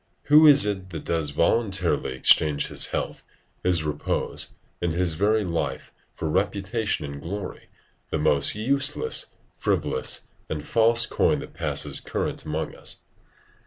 Who is it that does not voluntarily exchange his health, his repose, and his very life for reputation and glory, the most useless, frivolous, and false coin that passes current amongst us?